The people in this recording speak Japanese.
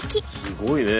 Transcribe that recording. すごいね。